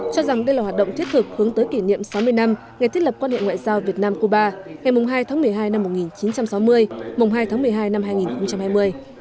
cho rằng đây là hoạt động thiết thực hướng tới kỷ niệm sáu mươi năm ngày thiết lập quan hệ ngoại giao việt nam cuba ngày hai tháng một mươi hai năm một nghìn chín trăm sáu mươi hai tháng một mươi hai năm hai nghìn hai mươi